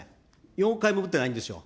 ４億回も打ってないんですよ。